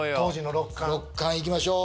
６貫行きましょう。